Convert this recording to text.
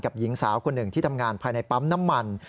หญิงสาวคนหนึ่งที่ทำงานภายในปั๊มน้ำมัน